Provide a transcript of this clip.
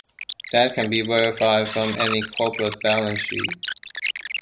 That can be verified from any corporate balance sheet.